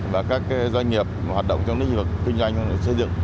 và các doanh nghiệp hoạt động trong lĩnh vực kinh doanh xây dựng